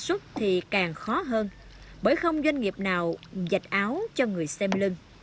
sản xuất thì càng khó hơn bởi không doanh nghiệp nào dạch áo cho người xem lưng